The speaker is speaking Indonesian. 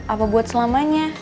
apa buat selamanya